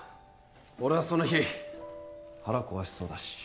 俺はその日腹壊しそうだし。